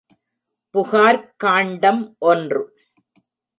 புகார்க் காண்டம் ஒன்று.